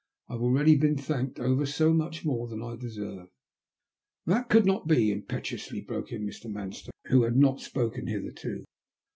I have 'already been thanked ever so much more than I deserve." ''That could not be," impetuously broke in Mr. Manstone, who had not spoken hitherto.